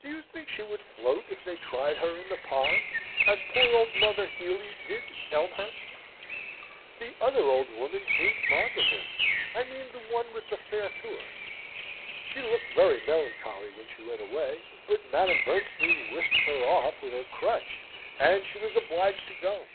"Do you think she would float if they tried her in the pond, as poor old mother Hely did at Elmhurst? The other old woman seemed fond of him I mean the one with the fair tour. She looked very melancholy when she went away; but Madame Bernstein whisked her off with her crutch, and she was obliged to go.